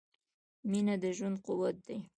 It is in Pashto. • مینه د ژوند قوت دی.